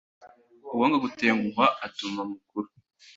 Uwanga gutenguhwa atuma mukuru.